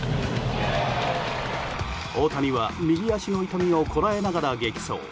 大谷は右足の痛みをこらえながら激走。